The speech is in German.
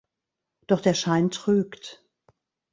Doch der Schein trügt.